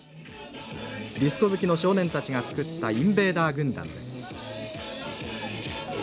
「ディスコ好きの少年たちが作ったインベーダー軍団です」。